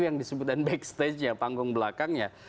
yang disebutkan backstage nya panggung belakangnya